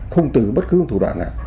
không từ bất cứ thủ đoạn nào